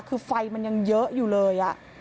คือไฟมันยังเยอะอยู่เลย